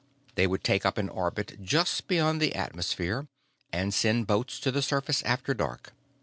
They would take up an orbit just beyond the atmosphere and send boats to the surface after dark.